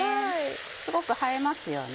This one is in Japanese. すごく映えますよね。